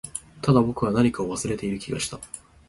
ただ、僕は何かを忘れている気がした